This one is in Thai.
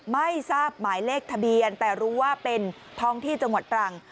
ไม่ทราบหมายเลขทะเบียนแต่รู้ว่าเป็นท้องที่จังหวัดตรัง